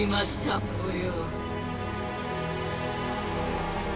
ぽよ！